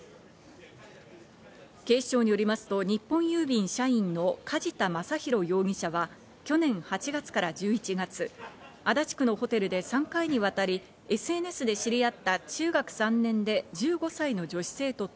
警視庁によりますと、日本郵便社員の梶田征広容疑者は、去年８月から１１月、足立区のホテルで３回にわたり、ＳＮＳで知り合った中学３年で１５歳の女子生徒と